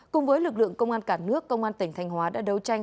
cùng với lực lượng công an cả nước công an tỉnh thanh hóa đã đấu tranh